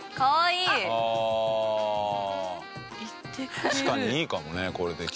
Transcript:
確かにいいかもねこれで来たら。